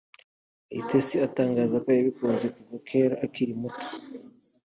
Kayitesi atangaza ko yabikunze kuva kera akiri muto